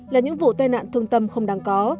là những vụ tai nạn thương tâm không đáng có